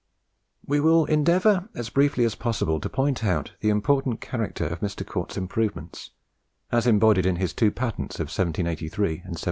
We will endeavour as briefly as possible to point out the important character of Mr. Cort's improvements, as embodied in his two patents of 1783 and 1784.